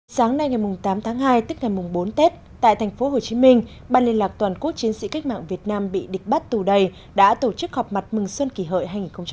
sáng nay ngày tám tháng hai tức ngày bốn tết tại tp hcm ban liên lạc toàn quốc chiến sĩ cách mạng việt nam bị địch bắt tù đầy đã tổ chức họp mặt mừng xuân kỳ hợi hai nghìn một mươi chín